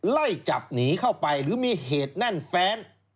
ไล่จับหนีเข้าไปหรือมีเหตุแน่นแฟน